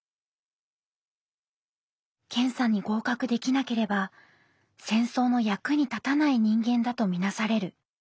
検査に合格できなければ戦争の役に立たない人間だと見なされる。